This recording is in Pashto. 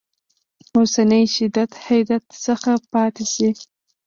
اوسني شدت حدت څخه پاتې شي.